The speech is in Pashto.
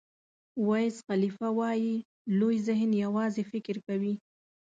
ویز خالیفه وایي لوی ذهن یوازې فکر کوي.